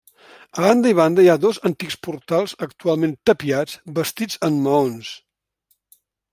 A banda i banda hi ha dos antics portals actualment tapiats, bastits en maons.